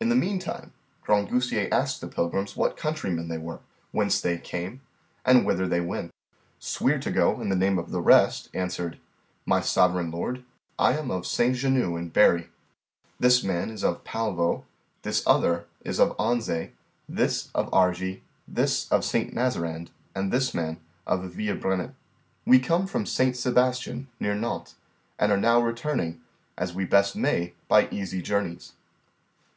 In the meantime Grangousier asked the pilgrims what countrymen they were, whence they came, and whither they went. Sweer to go in the name of the rest answered, My sovereign lord, I am of Saint Genou in Berry, this man is of Palvau, this other is of Onzay, this of Argy, this of St. Nazarand, and this man of Villebrenin. We come from Saint Sebastian near Nantes, and are now returning, as we best may, by easy journeys.